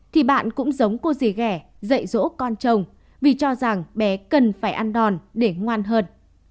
thì bạn cũng giống cô di ghẻ dạy dỗ con chồng vì cho rằng bé cần phải ăn đòn để ngoan hơn